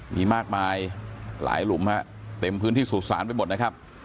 มีมากมายหลายหลุมฮะเต็มพื้นที่สู่ศาลไปหมดนะครับ